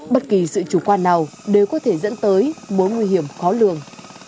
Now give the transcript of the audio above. bất kỳ sự chủ quan nào đều có thể dẫn tới mối nguy hiểm khó lường